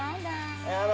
やだ！